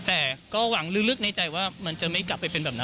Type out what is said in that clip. แอร์อัดในประชาชนที่มาห้างวันนี้บอกก็ตื่นเต้นนะ